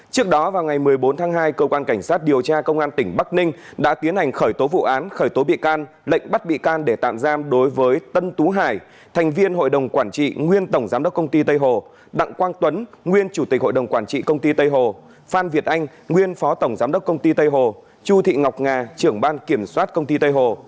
trước đó vào ngày một mươi bốn tháng hai cơ quan cảnh sát điều tra công an tỉnh bắc ninh đã thi hành quyết định khởi tố bị can và lệnh bắt bị can để tạm giam đối với tân tú hải thành viên hội đồng quản trị nguyên tổng giám đốc công ty tây hồ đặng quang tuấn nguyên chủ tịch hội đồng quản trị công ty tây hồ phan việt anh nguyên phó tổng giám đốc công ty tây hồ chu thị ngọc nga trưởng ban kiểm soát công ty tây hồ